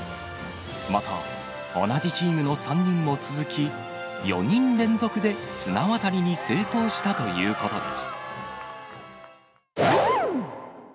また、同じチームの３人も続き、４人連続で綱渡りに成功したということです。